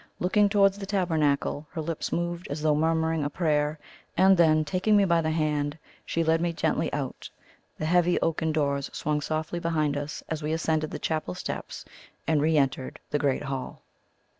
Looking towards the Tabernacle, her lips moved as though murmuring a prayer, and then, taking me by the hand, she led me gently out. The heavy oaken door swung softly behind us as we ascended the chapel steps and re entered the great hall.